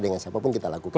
dengan siapapun kita lakukan